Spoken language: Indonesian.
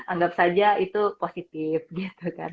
anggap saja itu positif gitu kan